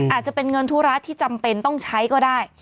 อาจจะเป็นเงินธุระที่จำเป็นต้องใช้ก็ได้